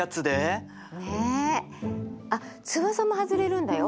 あっ翼も外れるんだよ。